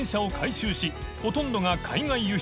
㈭ほとんどが海外輸出祕貮瑤